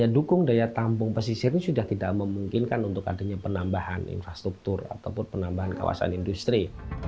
dukung daya tampung pesisir ini sudah tidak memungkinkan untuk adanya penambahan infrastruktur ataupun penambahan kawasan industri